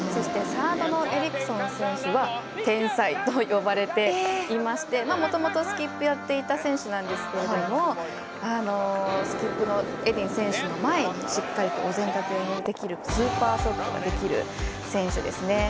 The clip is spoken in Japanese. そしてサードのエリクソン選手は天才と呼ばれていましてもともとスキップをやっていた選手なんですけれどもスキップのエデン選手の前にしっかりとお膳立てができるスーパーショットができる選手です。